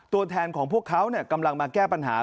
ตัวแทนของพวกเขากำลังมาแก้ปัญหา